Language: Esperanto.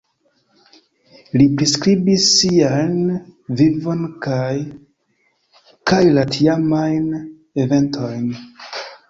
Li priskribis sian vivon kaj kaj la tiamajn eventojn.